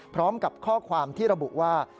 พร้อมกับข้อความที่ระบุว่า